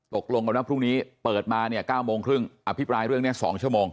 ตกลงกันว่าพรุ่งนี้เปิดมาเนี่ย๙โมงครึ่งอภิปรายเรื่องนี้๒ชั่วโมง